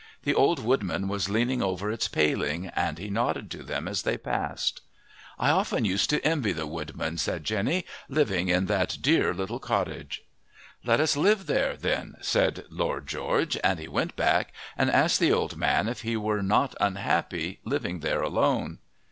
The old woodman was leaning over its paling, and he nodded to them as they passed. "I often used to envy the woodman," said Jenny, "living in that dear little cottage." "Let us live there, then," said Lord George. And he went back and asked the old man if he were not unhappy, living there alone.